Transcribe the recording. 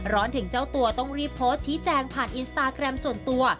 ถึงเจ้าตัวต้องรีบโพสต์ชี้แจงผ่านอินสตาแกรมส่วนตัว